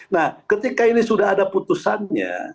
nah ketika ini sudah ada putusannya